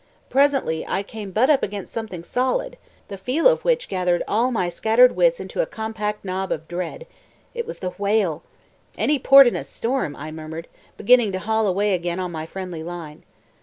Presently I came butt up against something solid, the feel of which gathered all my scattered wits into a compact knob of dread. It was the whale! "Any port in a storm," I murmured, beginning to haul away again on my friendly line.